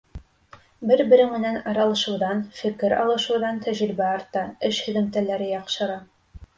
Бер-берең менән аралашыуҙан, фекер алышыуҙан тәжрибә арта, эш һөҙөмтәләре яҡшыра.